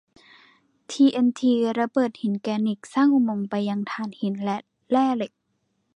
ทีเอ็นทีระเบิดหินแกรนิตสร้างอุโมงค์ไปยังถ่านหินและแร่เหล็ก